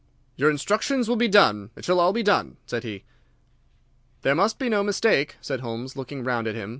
"Your instructions will be done. It shall all be done," said he. "There must be no mistake," said Holmes, looking round at him.